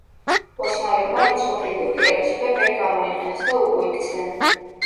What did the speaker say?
ოსმალებმა რიცხობრივი უპირატესობა ვერ გამოიყენეს და უკუიქცნენ.